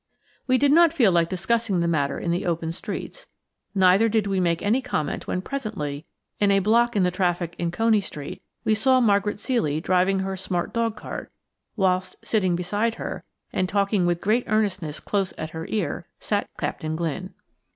We did not feel like discussing the matter in the open streets, neither did we make any comment when presently, in a block in the traffic in Coney Street, we saw Margaret Ceely driving her smart dog cart, whilst sitting beside her, and talking with great earnestness close to her ear, sat Captain Glynne.